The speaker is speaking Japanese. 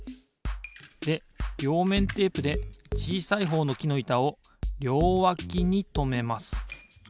でりょうめんテープでちいさいほうのきのいたをりょうわきにとめます。